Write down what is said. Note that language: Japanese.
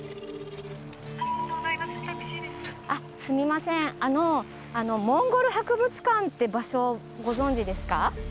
すみませんモンゴル博物館って場所ご存じですか？